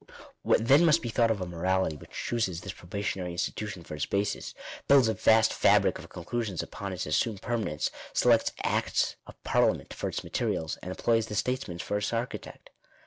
What then must be thought of a morality which chooses this probationary institution for its basis, builds a vast fabric of conclusions upon its assumed permanence, selects acts of par liament for its materials, and employs the statesman for its architect?